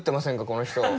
この人。